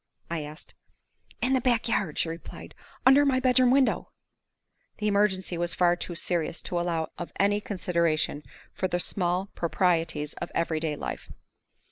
I asked. "In the back yard," she replied, "under my bedroom window!" The emergency was far too serious to allow of any consideration for the small proprieties of every day life.